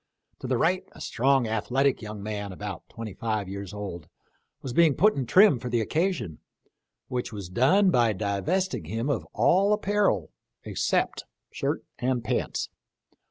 To the right a strong, athletic young man, about twenty five years old, was being put in trim for the occasion, which was done by divesting him of all apparel except shirt and pants.